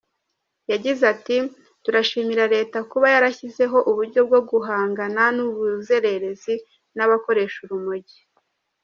Yagize ati “Turashimira Leta kuba yarashyizeho uburyo bwo guhangana n’ubuzererezi n’abakoresha urumogi.